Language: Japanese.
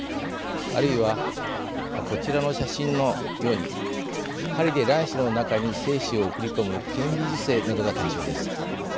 あるいはこちらの写真のように針で卵子の中に精子を送り込む顕微授精などが対象です。